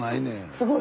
すごい！